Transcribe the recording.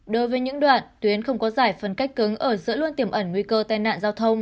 đối với những đoạn tuyến không có giải phân cách cứng ở giữa luôn tiềm ẩn nguy cơ tai nạn giao thông